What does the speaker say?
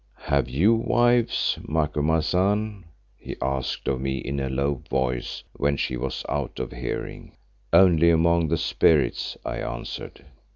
"Have you wives, Macumazahn?" he asked of me in a low voice when she was out of hearing. "Only among the spirits," I answered.